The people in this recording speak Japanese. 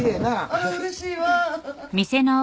あらうれしいわ。